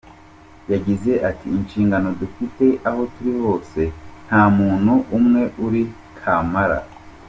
Yagize ati: ”Inshingano dufite aho turi hose, nta muntu umwe uri kamara.